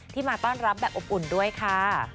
มาต้อนรับแบบอบอุ่นด้วยค่ะ